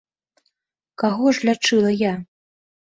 Каго ж лячыла я?